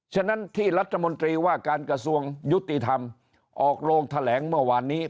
ฉะนั้นที่รัฐมนตรีว่าการกระทรวงยุติธรรมออกโรงแถลงเมื่อวานนี้